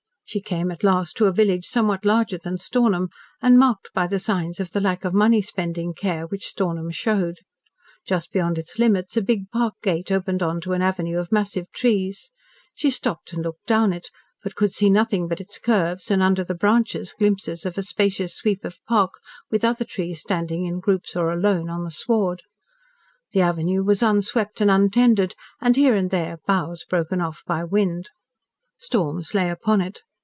She came at last to a village somewhat larger than Stornham and marked by the signs of the lack of money spending care which Stornham showed. Just beyond its limits a big park gate opened on to an avenue of massive trees. She stopped and looked down it, but could see nothing but its curves and, under the branches, glimpses of a spacious sweep of park with other trees standing in groups or alone in the sward. The avenue was unswept and untended, and here and there boughs broken off by wind. Storms lay upon it.